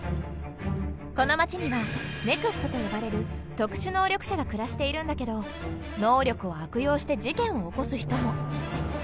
この街には「ＮＥＸＴ」と呼ばれる特殊能力者が暮らしているんだけど能力を悪用して事件を起こす人も。